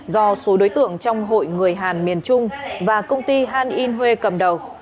do số đối tượng trong hội người hàn miền trung và công ty han in huê cầm đầu